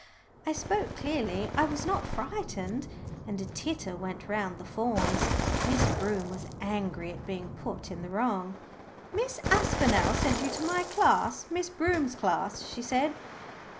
I spoke clearly. I was not frightened. And a titter went round the forms. Miss Broom was angry at being put in the wrong. "Miss Aspinall sent you to my class, Miss Broom's class," she said.